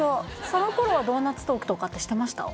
その頃はドーナツトークとかってしてました？